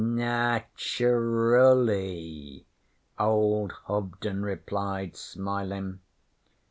'Nature ally,' old Hobden replied, smiling.